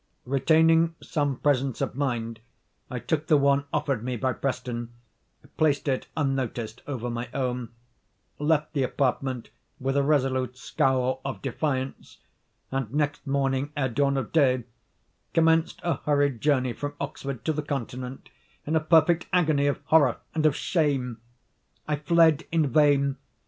Retaining some presence of mind, I took the one offered me by Preston; placed it, unnoticed, over my own; left the apartment with a resolute scowl of defiance; and, next morning ere dawn of day, commenced a hurried journey from Oxford to the continent, in a perfect agony of horror and of shame. I fled in vain.